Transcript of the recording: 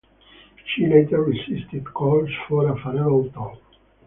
She later resisted calls for a farewell tour.